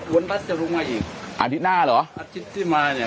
วันพระจะลงมาอีกอาทิตย์หน้าเหรออาทิตย์ที่มาเนี่ย